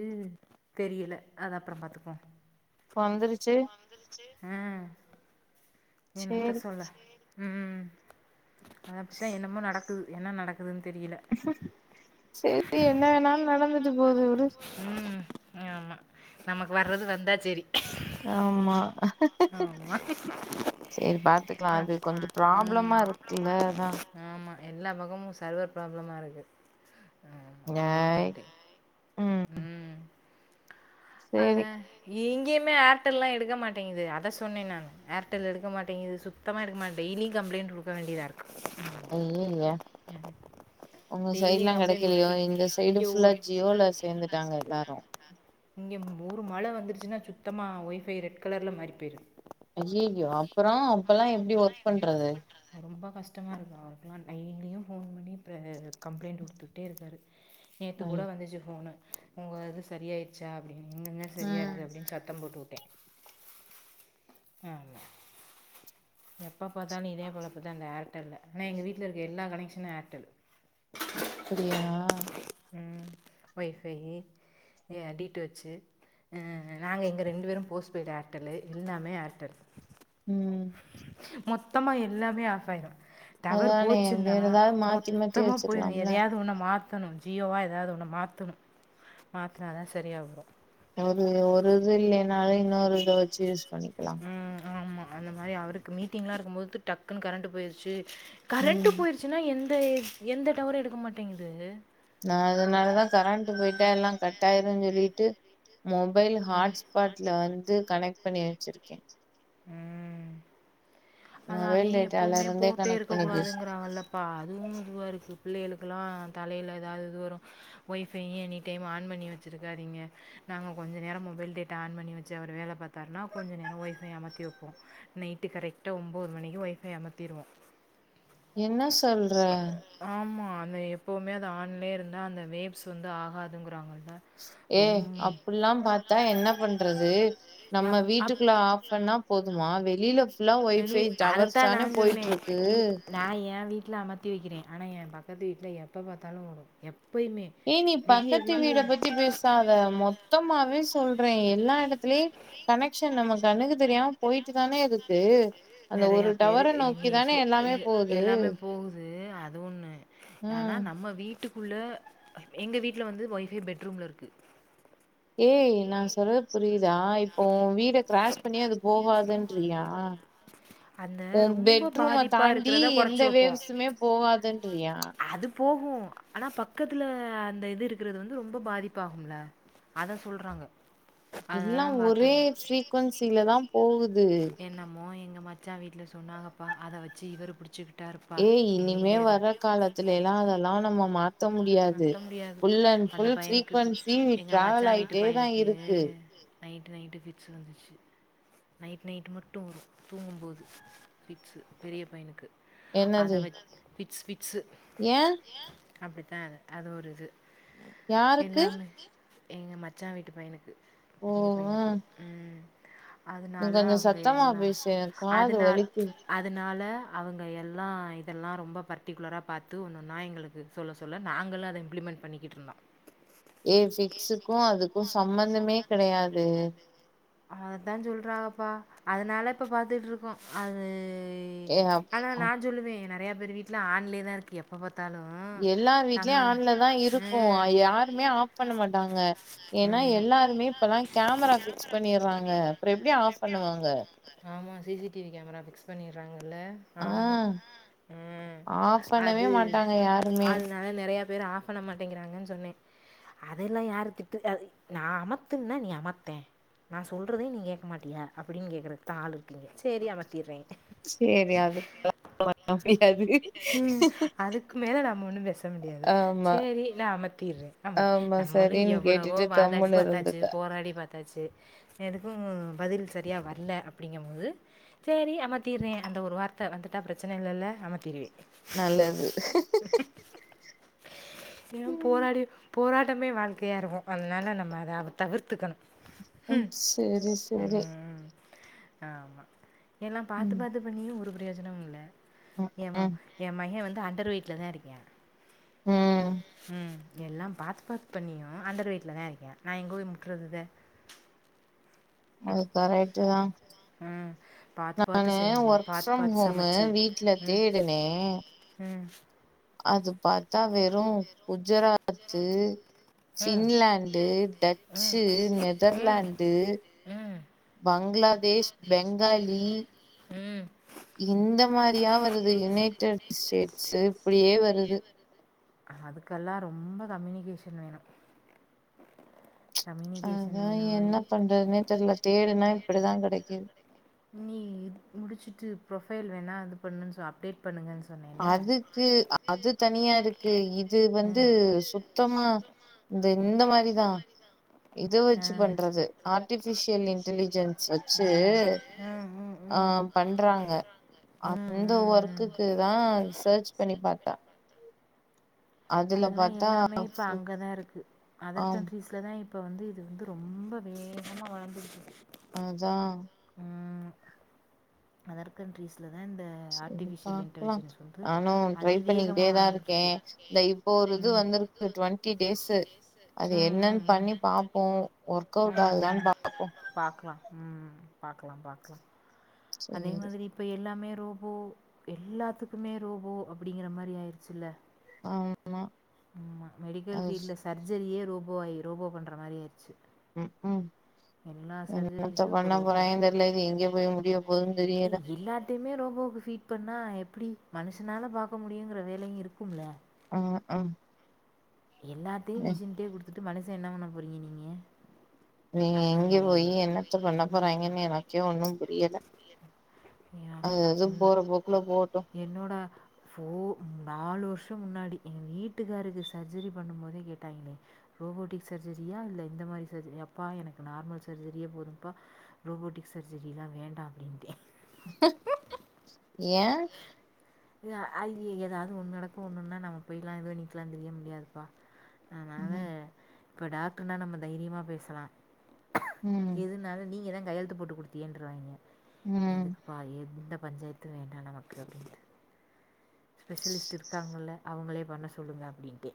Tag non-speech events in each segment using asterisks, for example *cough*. ம் தெரியில அது அப்புறோ பாத்துக்குவோ ப்பொந்திருச்சு ப்பொந்துருச்சி அ என்னத்த சேரி சொல்ல ம் அத்தா என்னமோ நடக்குது என்ன நடக்குதுன்னு தெரியல செரி என்ன வேனாலு நடந்துட்டு போது விடு ம் ஆமா நமக்கு வர்றது வந்தா செரி ஆமா சேரி பாத்துக்கலா அது கொஞ்சோ ம் பிராப்ளமா இருக்குல்ல அதா ஆமாம் எல்லா பக்கமு சர்வர் பிராப்ளமா இருக்கு ஏய் ம் சேரி அதா இங்கயுமே ஏர்டெல்லா எடுக்க மாட்டேங்குது அத சொன்னே நானு ஏர்டெல் எடுக்க மாட்டேங்கது சுத்தமா எடுக்க மாட்டேங்கது டெய்லியு கப்ளைண்ட் குடுக்க வேண்டியதா இருக்கு ஐயைய்ய உங்க சைடு டெய்லியு எல்லா கம்ப்ளைண்ட் கிடைக்கலையோ குடுத்து எங்க சைடு இங்க ஃபுல்லா ஒரு ஜியோல சேர்ந்துட்டாங்க எல்லாரு இங்கே மொறு மழ வந்துருச்சுனா சுத்தமாக ஒய்ஃபை ரெட் கலர்ல மாறி போயிடுது ஐயையோ அப்புறோ அப்பல்லா எப்டி ஒர்க் பண்றது அது ரொம்ப கஷ்டமாக இருக்கு அவருக்கெல்லா டெய்லியு ஃபோன் பண்ணி இப்ப கம்ப்ளைண்ட் குடுத்துட்டே இருக்காரு நேத்து ஐ கூட வந்துச்சு ஃபோனு உங்க இது சரியா ஆயிருச்சா அப்டினுனுன்னு ம் சரியாகுது அப்டின்னு சத்தம் போட்டு உட்டே ஆ எப்ப பார்த்தாலு இதே பொழப்புதா இந்த ஏர்டெல்ல ஆனா எங்க வீட்டுல இருக்க எல்லா கனெக்ஷனு ஏர்டெல் அப்டியா ம் ஒய்ஃபை ஏ அடிட் வச்சு நாங்க எங்கே ரெண்டு பேருமே போஸ்ட் பெய்டு ஏர்டெல்லு எல்லாமே ஏர்டெல் ம் மொத்தமா எல்லாமே ஆஃப் ஆயிரு டவர் அதானே போச்சுன்னா வேற ஏதாவது மாத்தி மாத்தி மொத்தமா போய் வச்சுக்கலாம்ல எதையாது ஒன்ன மாத் தணு ஜியோவா எதாது ஒன்னு மாத்தணு மாத்துனாதா சரியாவரு அது ஒரு இது இல்லைனாலு இன்னொரு இத வச்சு யூஸ் பண்ணிக்கலா ம் ஆமா அந்த மாதிரி அவருக்கு மீட்டிங்லா இருக்கு போது டக்குன்னு கரண்ட் ம் போயிருச்சு சின்னா எந்த எந்த டவரு எடுக்க மாட்டேங்குது நா அதனாலதா கரண்ட்டு போயிட்டா எல்லா கட் ஆயிருனு சொல்லிட்டு மொபைலு ம் ஹாட்ஸ்பாட்ல வந்து கனெக்ட் பண்ணி வச்சிருக்கே ம் அது மொபைல் அதையு டேட்டால எப்பவுமே இருந்தே போட்டே கனெக்ட் இருக்க பண்ணி பேசு கூடாதுங்கிறாங்கல்ல இப்ப அதுவு இதுவா இருக்கு பிள்ளைகளுக்கெல்லா தலையில எதாது இது வரு ஒய்ஃபைய எனி டைம் ஆன் பண்ணி வச்சிருக்காதிங்க நாங்க கொஞ்ச நேரம் மொபைல் டேட்டா ஆன் பண்ணிச்சு அவரு வேலை பாத்தாருன்னா கொஞ்ச நேரம் ஒய்ஃபை அமத்தி வப்போ நைட்டு கரெ ட்டா ஒம்போது மணிக்கு ஒய்ஃபை அமத்திருவோ என்ன சொல்ற ஆமாம் அந்த எப்போமே அது ஆன்லே இருந்தா அந்த வேப்ஸ் வந்து ஆகாதுங்கிறாங்கல்ல ஏ ரொம் அப்டிலா பாத்தா என்ன பண்றது நம்ம அப் வீட்டுக்குள்ள ஆஃப் பண்ணா அப் போதுமா வெளியில ஃபுல்லா ஒய்ஃபை டவர்ஸ் அதத்தா நா தானே சொன்னே போயிட்டு இருக்கு நா ஏன் வீட்டுல அமத்தி வைக்கிறே ஆனா என் பக்கத்து வீட்டுல எப்ப பாத்தாலு ஓடு எப்பயுமே ஏய் நீ விடிய பக்கத்து விடிய வீட பத்தி பேசாத மொத்தமாவே சொல்றே எல்லா இடத்துலயு கனெக்ஷன் நம்ம கண்ணுக்கு தெரியாம போய்ட்டு தானே இருக்கு அந்த நெறையா ஒரு பேரு டவரை நீ சூ இங்கு எல்லாமே போகுது அது ஒன்னு ஆனா ம் நம்ம வீட்டுக்குள்ள எங்க வீட்டுல வந்து ஒய்ஃபை பெட்ரூம்ல இருக்கு ஏய் நா சொல்றது புரியுதா இப்போ ஓன் வீ ட்ட கிராஸ் பண்ணி அது போவதுன்றியா அந்த ஒன் ரொம்ப பெட்ரூமை பாதிப்பா தாண்டி இருக்கிறத எந்த கொறச்சு வைப்போ வேவ்ஸ்மே போகாதுன்றியா அது போகு ஆனா பக்கத்துல அந்த இது இருக்கிறது வந்து ரொம்ப பாதிப்பு ஆகும்ல அத சொல்றாங்க எல்லா ஒரே பாத்து ஃப்ரீக்குவன்சிலதா போகுது என்னமோ எங்க மச்சா வீட்ல சொன்னாங்கப்பா அத வச்சு இவரு புடிச்சுக்கிட் ஏய் இனிமே வர்ற காலத்துல எல்லா அதெல்லா நம்ம மா த்த முடியாது நத்த முடியாது ஃபுல் அண்ட் அந்த ஃபுல் பையனுக்கு பி- சீக்வன்சி எங்க மச்சா ட்ராவல் வீட்டு ஆயிட்டே தா பையனுக்கு இருக்கு நைட்டு நைட்டு ஃபிக்ஸ் வந்துச்சு நைட் நைட்டு மட்டும் வரும் தூங்கும்போது ஃபிக்ஸ் பெரிய பையனுக்கு அத என்னது வ ஃபிக்ஸ் ஃபிக்ஸ்சு ஏன் அப்டித்தா அது அது ஒரு இது யாருக்கு எல்லாமே எங்க மச்சா வீட்டு பையனுக்கு ஓ பெரிய ஆ. பையனுக்கு ம் நீ அதனால கொஞ்சம் அவங்க சத்தமா எல்லா பேசு எனக்கு காது அதனால் வலிக்கு அதனால அவங்க எல்லா இதெல்லா ரொம்ப பர்ட்டிகுலரா பாத்து ஒன்னொன்னா எங்களுக்கு சொல்ல சொ சொல்ல நாங்களோ அத இப்ளிமெண்ட் பண்ணிக்கிட்ருந்தம் ஏ ஃபிக்ஸ்க்கும் அதுக்கும் சம்பந்தமே கெடயாது அததா சொல்றாங்கப்பா அதனால இப்ப பாத்துட்ருக்கோம் அது ஏ அப்- ஆனா நா சொல்லுவே நெறைய பேர் வீட்ல ஆன்லயே தா இருக்கு எப்ப பாத்தாலும் எல்லா வீட்லயும் ஆன்லதா இருக்கும் யாருமே ஆஃப் பண்ண மாட்டாங்க ஏன்னா எல்லாருமே இப்பல்லா கேமரா ஃபிக்ஸ் பண்ணிறாங்க அப்றோ எப்டி ஆஃப் பண்ணுவாங்க ஆமா சிசிடிவி கேமரா ஃபிக்ஸ் பண்ணிறாங்கல்ல ஆ ஆமா ம் ஆஃப் பண்ணவே அது மாட்டாங்க யாருமே அது ஆனா நெறைய பேரு ஆஃப் பண்ண மாட்டேங்கிறாங்கன் சொன்ன அதெல்லா யார திட்டு நா அமத்துன்னா நீ அமத்தே நா சொல்றத நீ கேக்க மாட்டியா அப்படின் கேக்கறதுக் தா ஆள் இருக்குலே சேரி அமத்திறே சேரி அதுக் *inaudible* முடியாது ம் அதுக்கு மேல நம்ம ஒன்னும் பேஸ் முடியாது ஆமா சேரி நா அமத்திறே நமக் ஆமா நம்மளு சரின்னு எவ்வளவோ கேட்டுட்டு வாதாடி கம்முன்னு பாத்தாச்சு இருந்துக்க போராடி பாத் தாச்சு எதுக்கும் பதில் சரியா வர்ல அப்படிங்க போது சேரி அமத்தீர்றே அந்த ஒரு வார்த்த வந்துட்டா பிரச்சன இல்லல்ல அமத்தீருவே நல்லது ச *inaudible* ஏன்னா போராடி போராட்டமே வாழ்க்கையா இருக்கும் அதனால நம்ம அத தவிர்த்துக்கணு ம் சேரி சேரி சேர் ஆமா எல்லாம் பாத்து ம் பாத்து பண்ணியும் ஒரு பிரயோஜனம் இல்ல ம் என் மவ ம் என் மைய வந்து அண்டர் வெயிட்ல தா இருக்யா ம் ம் எல்லாம் பாத் பாத் பண்ணியும் அண்டர் வெயிட்ல தா இருக்யா நா எங்க போய் முட்றது இத அது கரெட்டு தா ம். பாத்து பாத்து நானு செஞ்சு, ஒர்க் பாத்து ஃப்ரம் பாத்து ஹோம்மு சமைச்சு. வீட்ல தேடுனே ம் அது பாத்தா வெறும் குஜராத்து ம். சின்லன் டு டச்சு நெதர்லாந்து ம். பங்ளாதேஷ் பெங்காளி ம் இந்த மாரியா வருது யுனைட்டட் ஸ்டேட்ஸ்ஸு இப்டியே வருது அதுக்கெல்லா ரொம்ப கம்யூனிகேஷன் வேணும் கம்யூனிகேஷன் வேணு னே தெர்ல தேடுன இப்டிதா கடைக்கிது நீ இது முடிச்சுட்டு ப்ரொஃபைல் வேணா அது பண்ணுன் சொ அப்டேட் பண்ணுங்கன் சொன்னே அதுக்கு அது தனியா இருக்கு இது வந்து சுத்தமா இந்த இந்த மாரிதா இத வெச்சு பண்றது ஆர்டிஃபிஷியல் இன்டலிஜென்ஸ் வெச் அ ம் ம் ம் பண்றாங்க ம், அந்த ம், ம். ஒர்க்குக்குதா செர்ச் பண்ணி பாத்த அதெல்லா பாத்தா எல்லாமே இப்போ அங்கதா இருக்கு அதர் ஆம் கண்ட்ரிஸ் இதுலதா இப்ப வந்து இது வந்து ரொம்ப வேகமா வளர்ந்துட்ருக்கு அத்தா ம் அதர் கண்ட்ரிஸ்லதா இந்த செரி ஆர்டிஃபிஷியல் பாக்கலா இன்டலிஜென்ஸ் வந்து நானு ட்ரை அதிவேகமா பண்ணிக்கிட்டே தா இருக்கே வாழந்துட்ருக்கு இந்த இப்போ ஒரு இது வந்துருக்கு டுவெண்ட்டி டேஸு அது ம் என்னன் ம் பண்ணி பாப்போ ஒர்க் அவுட் ம் ஆகுதான்னு ம் பாப்போ பாக்கலா ம் ம் பாக்கலா பாக்கலா அதே சேரி மாதிரி இப்ப எல்லாமே ரோபோ இப்ப எல்லாத்துக்குமே ரோபோ அப்டிங்கிற மாரி ஆய்ருச்சுல ஆ ஆமா மெடிக்கல் ஃபீல்ட்ல சர்ஜரியே ரோபோ ஆகி ரோபோ பண்ற மாரி ஆய்ருச்சு ம் ம் என்னத்த இப்போ பண்ண ரோபோ போறாய்ங்க தெர்ல இது எங்கே போய் முடிய போதுன் தெரியல எத்தயுமே ரோபோவுக்கு ஃபீட் பண்ணா எப்டி மனுஷனால பாக்க முடியுங்குற வேலையு இருக்கும்ல ஆமா ஆ எல்லாத்தையு மிஷின்கே குடுத்துட்டு மனுச என்ன பண்ண போறீங்க நீங்க இவிங்க அதான் எங்க போய் தெரியல என்னத்த பண்ண என்ன ஆகலாம் போறாய்ங்கன் எனக்கே ஒன்னு புரியல அது அது போற பொக்குல போட்டு என்னோட ஃபோ நாலு வர்ஷோ முன்னாடி எங்க வீட்டுக்காருக்கு சர்ஜரி பண்ணும்போதே கேட்டாய்ங்களே ரோபோட்டிக் சர்ஜரியா இல்ல இந்த மாரி சர்ஜரி அப்பா எனக்கு நார்மல் சர்ஜரியே போதும்ப்பா ரோபோட்டிக் சர்ஜரிலா வேண்டா அப்டின்டே ஏ *inaudible* ஐய எதாது ஒன்னு நடக்கு ஒன்னு ஒன்னா நம்ம போய்ல்லா இது பண்ணிக்குட்லா எந்திரிக்க முடியாதுப்பா அதனால ம் இப்ப டாக்டர்னா நம்ம தைரியமா பேசலா ம் எதுனாலு நீங்கதா கையெழுத்து போட்டு குடுத்தீங்கன்றுவய்ங்க ம் இதுக் பா எந்த பஞ்சாயத்து வேண்டா நமக்கு அப்டின்ட்டு ஸ்பெஷலிஸ்ட் இருக்காங்கல்ல அவுங்களே பண்ண சொல்லுங்க அப்டின்ட்டே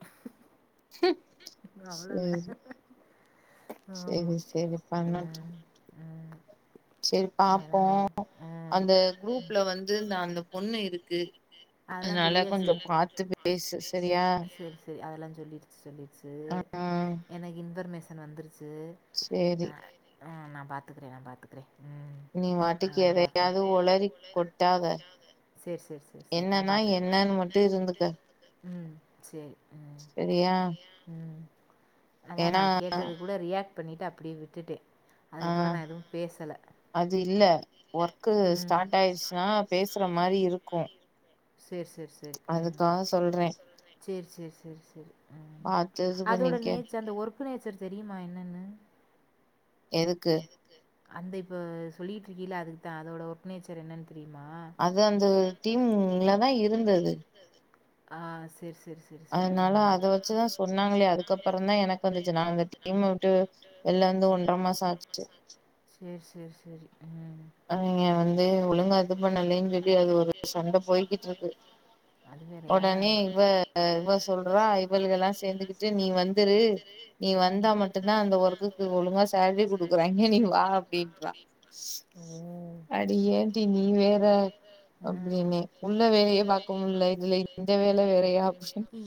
அவ்ளோதா சேரி ஆமா சேரி சேரி ம் ஆ செரி பாப்போ ம் அந்த குரூப்ல வந்து இந்த அந்த பொண்ணு இருக்கு அதெல்லாம் அதனால கொஞ்சோ சொல்லியாச்சு பாத்து பேசு செரியா செரி செரி அதெல்லா சொல்லிருச்சு சொல்லிருச்சு ஆ எனக்கு இன்ஃபர்மேஷன் வந்துருச்சு சேரி ஆ ஆ நா பாத்துக்கறே நா பாத்துக்கறே நீ வாட்டுக்கு எதையாது ஒளறி கொட்டாத சேரி சேரி சேரி சேரி என்ன நா னா பாத்துக்கிறே என்னன்னு மட்டு இருந்துக்க ம் சேரி ம் செரியா ம் அதா நா கேட்டதுகீ கூட ரியாக்ட் பண்ணிட்டு அப்படியே விட்டுட்டே ஆ அதுக்கப்புறோ நா எதுவு பேசல அது இல்ல ஒர்க்கு ம் ஸ்டார்ட் ஆயிடுச்சுன்னா பேசு ற மாரி இருக்கு சேர் சேர் அதுக்காக சொல்றே சேரி சேரி சேரி சேரி ம் பாத்து இது அதோட பண்ணிக்க நேச்சர் அந்த ஒர்க்கு நேச்சர் தெரியுமா என்னன்னு எதுக்கு அந்த இப்போ சொல்லிட்டு இருக்கீல்ல அதுக்குத்தா அதோட ஒர்க் நேச்சர் என்னன்னு தெரியுமா அது அந்த டீம்ல தா இருந்தது ஆ சேரி சேரி சேரி சேரி அதுனால ம் அத வச்சுதா சொன்னாங்களே அதுக்கப்பறந்தா எனக்கு வந்துச்சு நா அந்த டீம் விட்டு வெள்ல வந்து ஒன்ற மாச ஆச்சுட்டு சேரி சேரி சேரி ம் நீங்க வந்து ஒழுங்கா இது பண்ணலன்னு சொல்லி அது ஒரு சண்ட போய்க்கிட்டு இருக்கு அது வேறயா ஒடனே இவ இவ சொல்றா இவள்கள்லா சேந்துக்கிட்டு நீ வந்துரு நீ வந்தா ம் மட்டுந்தா அந்த ஒர்க்குக்கு ஒழுங்கா சேல்ரி குடுக்குறாங்க நீ வா அப்டின்றா ம் அடி ஏன்டி நீ வேற ம் அப்டின்னே உள்ள வேலையே பாக்க முட் ல இதுல இந்த வேல வேறயா அப்டினு இ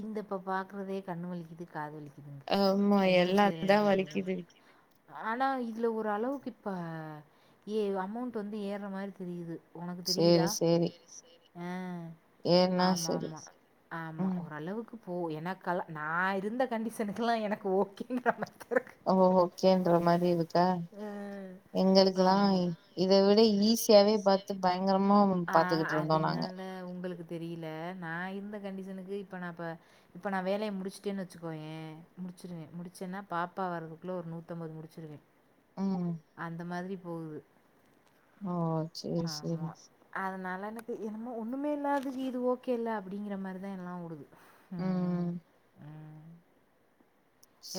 இந்த இப்போ பாக்கறதே கண் வலிக்குது காது வலிக்கு ம் ஆமா என்ன எல்லா தா செய்றது வலிக்குது ஆனா இதுல ஓரளவுக்கு இப்ப ஏ அமௌண்ட் வந்து ஏறுற மாரி தெரியுது ஒனக்கு சேரி தெரியுதா சேரி ஆ ஏன்னா ஆமா செரி ஆமா ஆமா ம் ஓரளவுக்கு போ எனக்கு கல நா இருந்த கண்டிஷனுக்கெல்லா எனக்கு ஓகேன்றளவுக்கு ஓகேன்ற மாரி இருக்கா ஓ ஓகே ஓகே ஆ எங்களுக்கெல்லா ஆமா இத விட ஈஸியாவே பாத்து பயங்கரமா ஆ பாத்துக்கிட்டு இருந்தோ நாங்க அதுனால உங்களுக்கு தெரியல நா இருந்த கண்டிஷனுக்கு இப்ப நா இப்ப இப்ப நா வேலைய முடிச்சுட்டேன்னு வச்சுக்கோயே முடிச்சிருவே முடிச்சேன்னா பாப்பா வர்றதுக்குள்ள ஒரு நூத்தம்பது முடிச்சிருவே ம் அந்த மாதிரி போவுது ஓ சேரி ஆமா சேரி அதனால எனக்கு என்னமோ ஒன்னுமே இல்லாதது இது ஓகே இல்ல அப்டிங்கிற மாரிதா எல்லா விடுது ம் ம்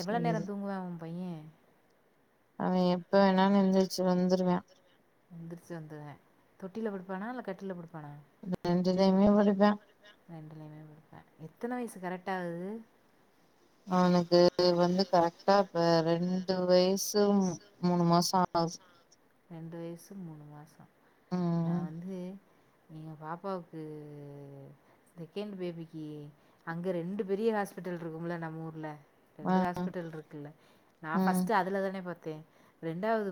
எவ்வளோ நேர தூங்குவா ஒ பைய அவ எப்ப வேணாலு எந்துரிச்சு வந்துருவா எந்துருச்சு வந்துருவா தொட்டில படுப்பானா இல்ல கட்டில்ல படுப்பானா ரெண்டுலையுமே படுப்பா ரெண்டுலயுமே படுப்பா எத்தன வயசு கரெக்ட்டா ஆகுது அவனுக்கு வந்து கரெக்டா இப்ப ரெண்டு வயசு மூணு மாச ஹவுஸ் ரெண்டு வயசு மூணு மாச நா ம் வந்து எங்க பாப்பாவுக்கு செகெண்ட் பேபிக்கு அங்கே ரெண்டு பெரிய ஹாஸ்பிட்டல் இருக்கும்ல நம்ம ஊர்ல ஆ ரெண்டு ஹாஸ்பிட்டல் இருக்குல்ல நா ம் ஃபஸ்ட்டு அதுலதானே பாத்தே ரெண்டாவது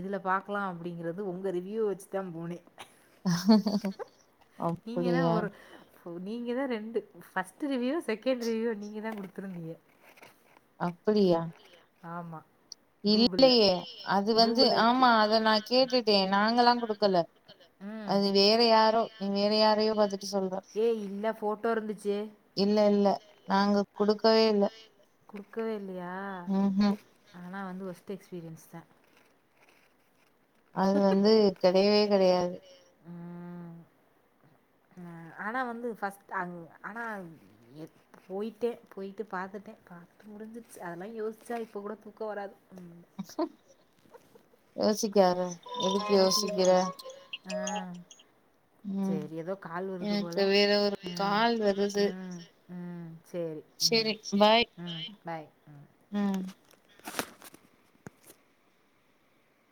இதுல பாக்கலா அப்படிங்றது உங்க ரிவியூ வச்சு தா போனே அப்டியா நீங்க தா ரெண்டு ஃபர்ஸ்ட் ரிவியூ செகண்ட் ரிவ்யூ நீங்க தா கொடுத்துருந்தீங்க அப்படியா ஆமா இல்லையே அது வந்து கூகுளில் ஆமா இருக்குது அத நா கேட்டுட்டே நாங்கல்லா குடுக்கல ம் அது வேற யாரோ நீ வேற யாரையோ பாத்துட்டு சொல்ற ஏ இல்ல ஃபோட்டோ இருந்துச்சு இல்ல இல்ல நாங்க குடுக்கவே இல்ல கொடுக்கவே இல்லையா ம்ஹும் ஆனா வந்து ஒஸ்ட்டு எக்ஸ்பீரியன்ஸ் தா அது வந்து கிடையவே கிடையாது ம் ஆனா வந்து ஃபர்ஸ்ட் அங் ஆனா எப் போய்ட்டே போயி்ட்டு பாத்துட்டே பாத்த முடிஞ்ச்சுருச்சு அதெல்லா யோசிச்சா இப்ப கூட தூக்கம் வராது *inaudible* யோசிக்காத எதுக்கு யோசிக்க யோசிக்கிர கூடாது ஆ ம் சேரி ஏதோ கால் வருது எனக்கு போல வேற ஒரு ம் கால் வருது ம் ம் சரி ம் செரி சரி பாய் ம் பாய் ம் ம்